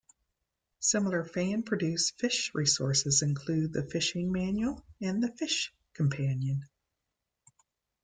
Similar fan-produced Phish resources include "The Phishing Manual" and "The Phish Companion".